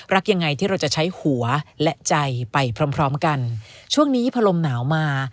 รักยังไงที่เราจะใช้หัวและใจไปพร้อมพร้อมกันช่วงนี้พอลมหนาวมา